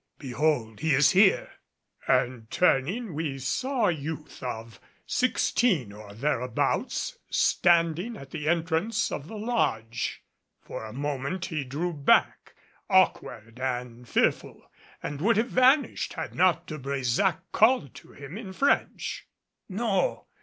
Behold, he is here!" And turning, we saw a youth of sixteen or thereabouts standing at the entrance of the lodge. For a moment he drew back, awkward and fearful, and would have vanished had not De Brésac called to him in French. "No.